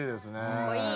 ・かっこいい！